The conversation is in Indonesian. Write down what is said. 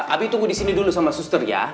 abi tunggu disini dulu sama suster ya